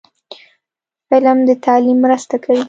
فلم د تعلیم مرسته کوي